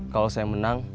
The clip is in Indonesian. kalau saya menang